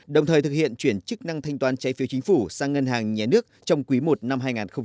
đồng thời thực hiện chuyển chức năng thanh toán trái phiếu chính phủ sang ngân hàng nhà nước trong quý i năm hai nghìn một mươi bảy